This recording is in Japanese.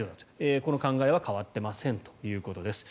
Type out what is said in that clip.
この考えは変わっていませんということです。